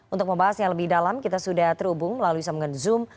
untuk membahasnya lebih dalam kita sudah terhubung melalui sambungan zoom